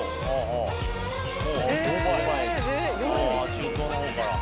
中東の方から。